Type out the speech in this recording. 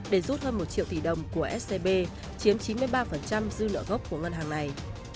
để rút hơn một triệu tỷ đồng của scb chiếm chín mươi ba dư nợ gốc của ngân hàng này